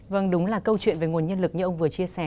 vâng đúng là câu chuyện về nguồn nhân lực như ông vừa chia sẻ